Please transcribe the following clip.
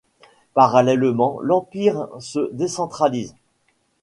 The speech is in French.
Parallèlement, l'Empire se décentralise.